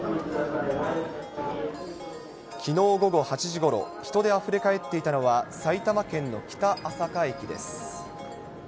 きのう午後８時ごろ、人であふれ返っていたのは埼玉県の北朝霞駅です。